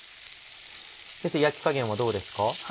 先生焼き加減はどうですか？